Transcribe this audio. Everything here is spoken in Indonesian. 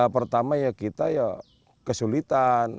pertama kita kesulitan